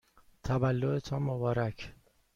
تولدتان مبارک!